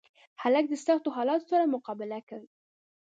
هلک د سختو حالاتو سره مقابله کوي.